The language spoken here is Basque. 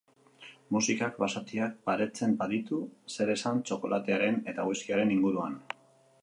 Musikak basatiak baretzen baditu, zer esan txokolatearen eta whiskiaren inguruan.